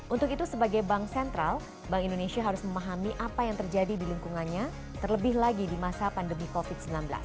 untuk itu sebagai bank sentral bank indonesia harus memahami apa yang terjadi di lingkungannya terlebih lagi di masa pandemi covid sembilan belas